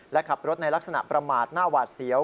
และขับรถในลักษณะประมาทหน้าหวาดเสียว